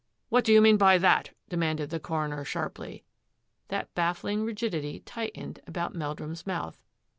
" What do you mean by that? " demanded the coroner sharply. That baffling rigidity tightened about Meldrum's mouth.